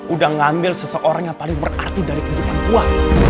udah ngambil seseorang yang paling berarti dari kehidupan gue